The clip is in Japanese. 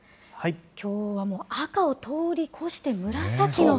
きょうはもう、赤を通り越して紫の所。